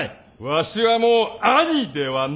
わしはもう兄ではない！